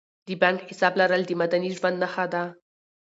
د بانک حساب لرل د مدني ژوند نښه ده.